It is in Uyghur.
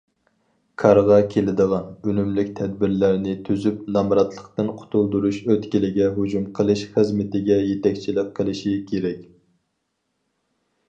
كارغا كېلىدىغان، ئۈنۈملۈك تەدبىرلەرنى تۈزۈپ، نامراتلىقتىن قۇتۇلدۇرۇش ئۆتكىلىگە ھۇجۇم قىلىش خىزمىتىگە يېتەكچىلىك قىلىشى كېرەك.